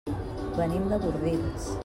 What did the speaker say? Venim de Bordils.